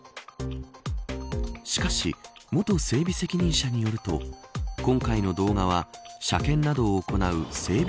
しかし、元整備責任者によると今回の動画は車検などを行う整備